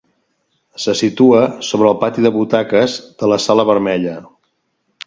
Se situa sobre el pati de butaques de la Sala Vermella.